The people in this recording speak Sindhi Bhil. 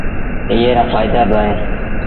ايئي رآ ڦآئيدآ با اهيݩ